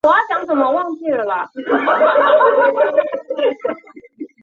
他也曾代表德国国家足球队。